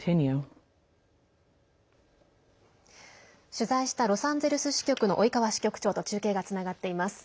取材したロサンゼルス支局の及川支局長と中継がつながっています。